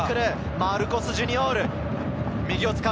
マルコス・ジュニオール、右を使う。